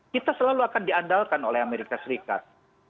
kita selalu akan diandalkan oleh amerika serikat